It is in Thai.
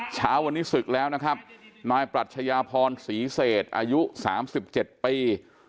เช้าวันนี้ศึกแล้วนะครับนายปรัชญาพรศรีเศษอายุ๓๗ปี